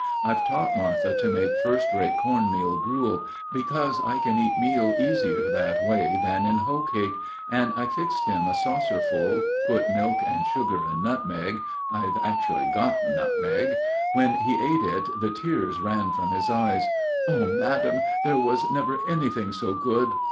I've taught Martha to make first rate corn meal gruel, because I can eat meal easier that way than in hoe cake, and I fixed him a saucerful, put milk and sugar and nutmeg I've actually got a nutmeg! When he ate it the tears ran from his eyes. "Oh, madam, there was never anything so good!